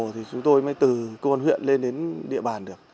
thì chúng tôi mới từ cơ quan huyện lên đến địa bàn được